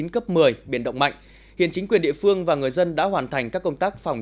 cấp một mươi biển động mạnh hiện chính quyền địa phương và người dân đã hoàn thành các công tác phòng